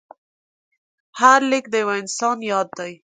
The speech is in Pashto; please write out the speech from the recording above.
هر لیک د یو انسان یاد دی.